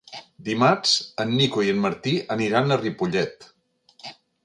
Dimarts en Nico i en Martí aniran a Ripollet.